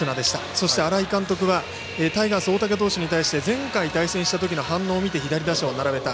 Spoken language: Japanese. そして、新井監督はタイガース、大竹投手に対して前回対戦した時の反応を見て左打者を並べた。